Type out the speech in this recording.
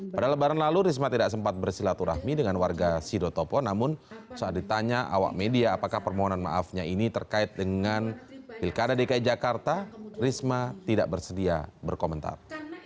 pada lebaran lalu risma tidak sempat bersilaturahmi dengan warga sido topo namun saat ditanya awak media apakah permohonan maafnya ini terkait dengan pilkada dki jakarta risma tidak bersedia berkomentar